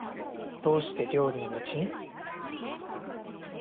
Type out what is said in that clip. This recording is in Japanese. どうして料理の道に？